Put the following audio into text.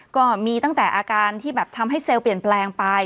ก็มีตั้งแต่อาการที่แบบทำให้เซลล์เปลี่ยนแปลงไป